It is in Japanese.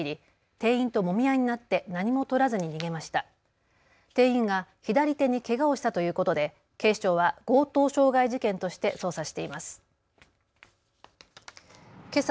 店員が左手にけがをしたということで警視庁は強盗傷害事件として捜査しています。